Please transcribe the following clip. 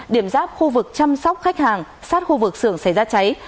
điểm giáp khu vực chăm sóc khách hàng sát khu vực xưởng xảy ra cháy